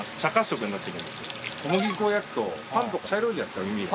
小麦粉を焼くとパンとか茶色いじゃないですか耳。